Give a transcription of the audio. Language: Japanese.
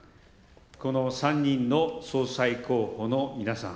この３人の総裁候補の皆さん。